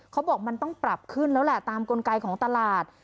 เขาบอกมันต้องปรับขึ้นแล้วแหละตามกลไกของตลาด